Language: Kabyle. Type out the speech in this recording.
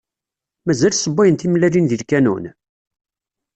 Mazal ssewwayyen timellalin deg lkanun?